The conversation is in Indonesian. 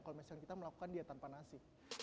kalau misalkan kita melakukan diet tanpa nasi